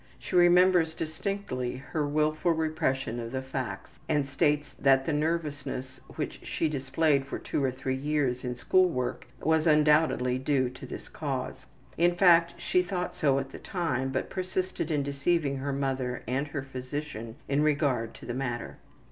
She remembers distinctly her willful repression of the facts, and states that the nervousness which she displayed for two or three years in her school work was undoubtedly due to this cause. In fact, she thought so at the time, but persisted in deceiving her mother and her physician in regard to the matter.